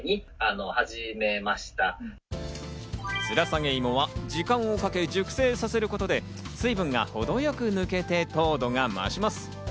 つらさげ芋は時間をかけ熟成させることで水分がほどよく抜けて、糖度が増します。